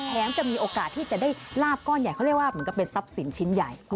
จะมีโอกาสที่จะได้ลาบก้อนใหญ่เขาเรียกว่าเหมือนกับเป็นทรัพย์สินชิ้นใหญ่